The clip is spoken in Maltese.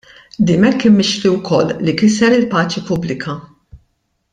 Dimech kien mixli wkoll li kiser il-paċi pubblika.